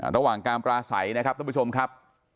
ระหว่างการปราศัยนะครับท่านผู้ชมครับ